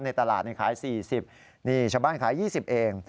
ในตลาดขาย๔๐นี่ชาวบ้านขาย๒๐เอง